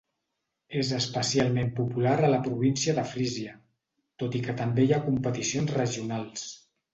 És especialment popular a la província de Frísia, tot i que també hi ha competicions regionals.